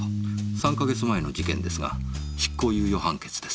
３か月前の事件ですが執行猶予判決です。